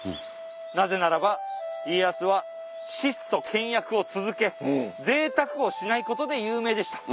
なぜならば家康は質素倹約を続けぜいたくをしないことで有名でした。